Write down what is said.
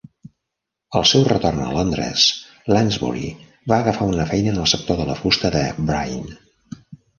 Al seu retorn a Londres, Lansbury va agafar una feina en el sector de la fusta de Brine.